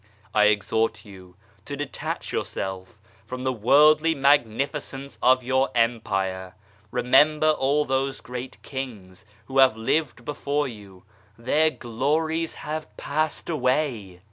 "I exhort you to detach yourself from the worldly magnificence of your Empire. Remember all those great Kings who have lived before you their glories have passed away